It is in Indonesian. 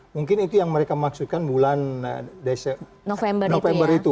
mungkin itu yang mereka maksudkan bulan november itu